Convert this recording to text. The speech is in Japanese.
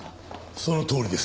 そのとおりです。